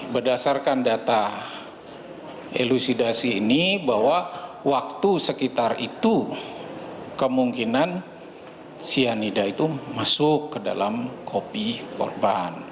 berdasarkan data elusidasi ini bahwa waktu sekitar itu kemungkinan cyanida itu masuk ke dalam kopi korban